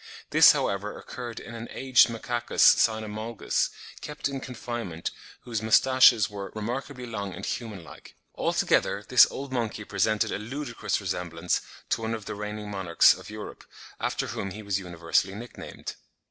This, however, occurred in an aged Macacus cynomolgus, kept in confinement whose moustaches were "remarkably long and human like." Altogether this old monkey presented a ludicrous resemblance to one of the reigning monarchs of Europe, after whom he was universally nick named.